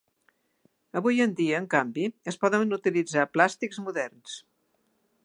Avui en dia, en canvi, es poden utilitzar plàstics moderns.